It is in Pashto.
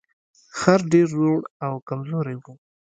خر ډیر زوړ او کمزوری و.